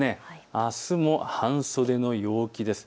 あすも半袖の陽気です。